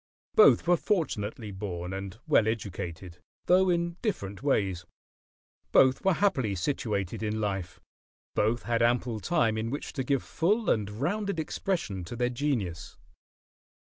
Both were fortunately born and well educated, though in different ways; both were happily situated in life; both had ample time in which to give full and rounded expression to their genius.